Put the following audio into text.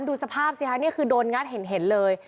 ดูสภาพสิคะนี่คือโดนงัดเห็นเลย